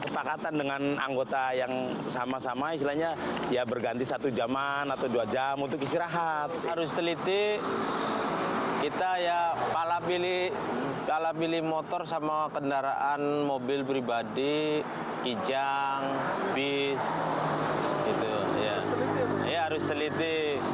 perhitungan mobil pribadi kijang bis harus teliti